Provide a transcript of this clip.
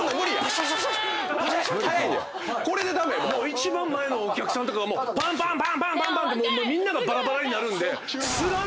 一番前のお客さんとかがパンパンパンパンパン！ってもうみんながばらばらになるんで。